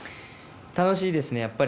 楽しいです。